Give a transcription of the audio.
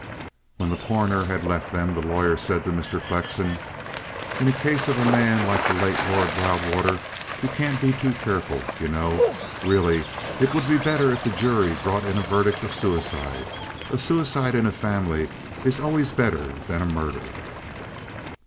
When the Coroner had left them the lawyer said to Mr. Flexen: "In the case of a man like the late Lord Loudwater, you can't be too careful, you know. Really, it would be better if the jury brought in a verdict of suicide. A suicide in a family is always better than a murder."